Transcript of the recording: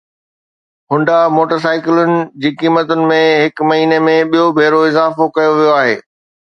Honda موٽرسائيڪلن جي قيمتن ۾ هڪ مهيني ۾ ٻيو ڀيرو اضافو ڪيو ويو آهي